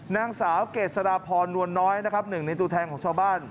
นางสาวเกษราพรนวลน้อยนะครับหนึ่งในตัวแทนของชาวบ้าน